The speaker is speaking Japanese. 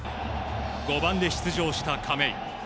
５番で出場した亀井。